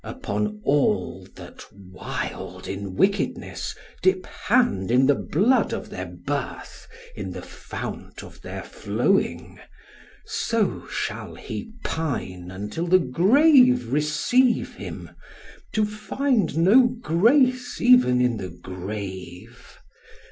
"Upon all that wild in wickedness dip hand In the blood of their birth, in the fount of their flowing: So shall he pine until the grave receive him to find no grace even in the grave!